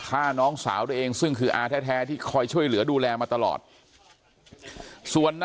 แค้นเหล็กเอาไว้บอกว่ากะจะฟาดลูกชายให้ตายเลยนะ